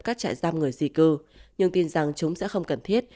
các trại giam người di cư nhưng tin rằng chúng sẽ không cần thiết